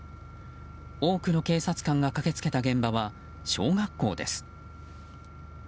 多くの警察官が駆け付けた現場は小学校です。